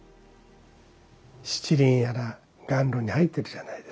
七輪やら暖炉に入ってるじゃないですか。